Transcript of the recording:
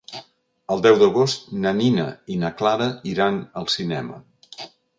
El deu d'agost na Nina i na Clara iran al cinema.